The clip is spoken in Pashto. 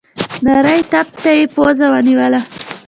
نري تپ ته يې پزه ونيوله.